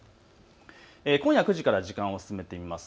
今夜９時から時間を進めてみます。